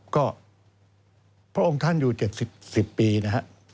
ก็เพราะองค์ท่านอยู่๗๐ปีนะครับ